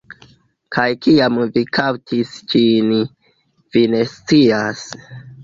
Kaj kiam vi kaptis ĝin, vi ne scias.